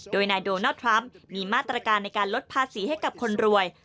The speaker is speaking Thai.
โดยนายโดนัลด์ทรัมป์มีมาตรการในการลดภาษีให้กับคนรวย